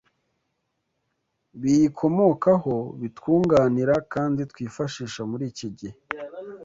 biyikomokaho bitwunganira kandi twifashisha muri iki gihe